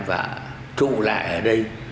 và trụ lại ở đây